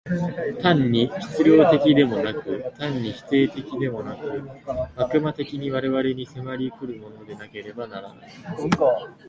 単に質料的でもなく、単に否定的でもなく、悪魔的に我々に迫り来るものでなければならない。